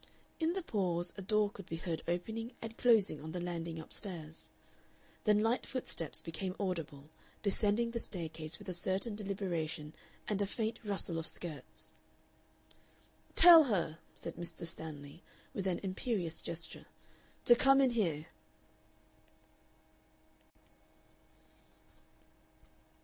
In the pause a door could be heard opening and closing on the landing up stairs. Then light footsteps became audible, descending the staircase with a certain deliberation and a faint rustle of skirts. "Tell her," said Mr. Stanley, with an imperious gesture, "to come in here."